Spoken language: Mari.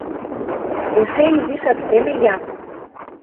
Эше изишак теме-я!